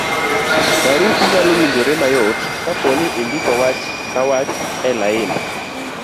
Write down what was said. barupi nyalo winjore mayot kapo ni indiko wach ka wach e lainde